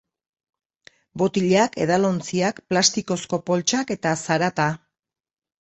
Botilak, edalontziak, plastikozko poltsak eta zarata.